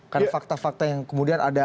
karena fakta fakta yang kemudian ada